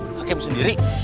eh hakim sendiri